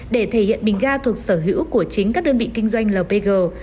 để thể hiện bình ga thuộc sở hữu của chính các đơn vị kinh doanh lpg